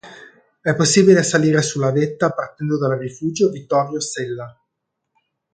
È possibile salire sulla vetta partendo dal Rifugio Vittorio Sella.